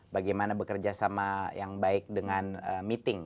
bagaimana bekerja sama yang baik dengan meeting